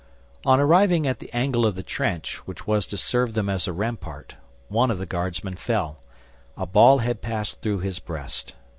On arriving at the angle of the trench which was to serve them as a rampart, one of the Guardsmen fell. A ball had passed through his breast.